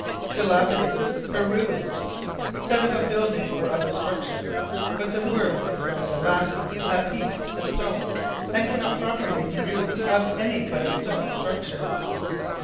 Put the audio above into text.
Dilapidated for Ruined. Said of a building, or other structure. But the word is from the Latin lapis, a stone, and cannot properly be used of any but a stone structure.